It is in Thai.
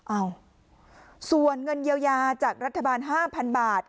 เอ้าส่วนเงินเยียวยาจากรัฐบาล๕๐๐๐บาท